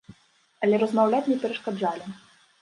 Але размаўляць не перашкаджалі.